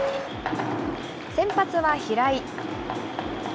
先発は平井。